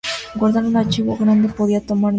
Guardar un archivo grande podía tomar minutos.